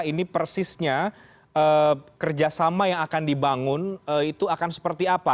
ini persisnya kerjasama yang akan dibangun itu akan seperti apa